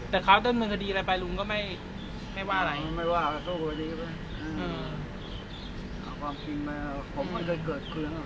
แต่เขาเนิ่มคดีใบไปลุ๊มก็ไม่ไม่ว่าอะไรไม่ว่าก็สู้สิ